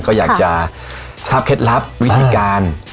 ก็อยากจะทราบเคล็ดลับวิธีการ